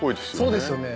そうですよね